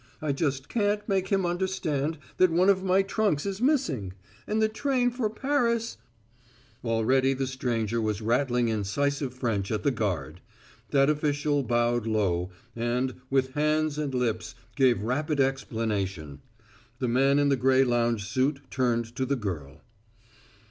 I just can't make him understand that one of my trunks is missing. And the train for Paris " Already the stranger was rattling incisive French at the guard. That official bowed low, and, with hands and lips, gave rapid explanation. The man in the gray lounge suit turned to the girl.